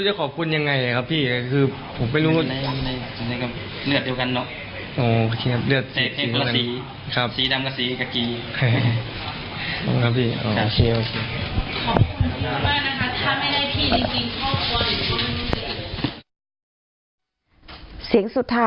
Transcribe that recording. จริงอยากขอบคุณ